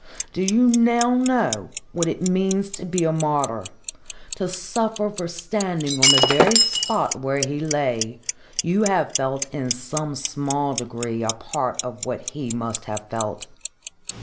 Do you know now what it means to be a martyr, to suffer for standing on the very spot where he lay, you have felt in some small degree a part of what he must have felt.